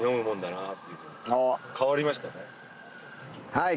はい。